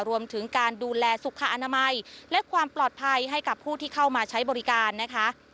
รวมถึงการดูแลสุขอนามัยและความปลอดภัยให้กับผู้ที่เข้ามาใช้บริการนะคะ